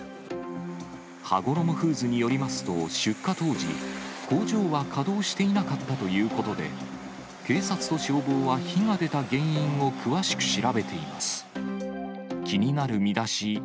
はごろもフーズによりますと、出火当時、工場は稼働していなかったということで、警察と消防は火が出た原因を詳しく調べています。